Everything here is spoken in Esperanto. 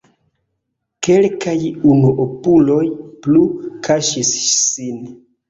Kelkaj unuopuloj plu kaŝis sin.